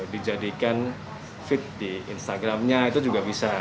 dijadikan feed di instagramnya itu juga bisa